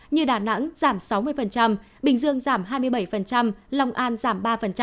như đà nẵng giảm sáu mươi bình dương giảm hai mươi bảy long an giảm ba